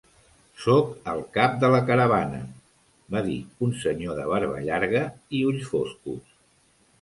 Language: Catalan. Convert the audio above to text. "Soc el cap de la caravana", va dir un senyor de barba llarga i ulls foscos.